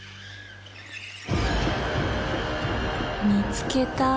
・見つけた。